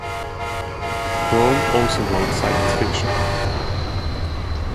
Braun also wrote science fiction.